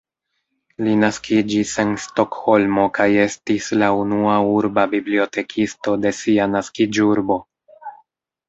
Li naskiĝis en Stokholmo kaj estis la unua urba bibliotekisto de sia naskiĝurbo.